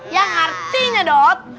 yang artinya dot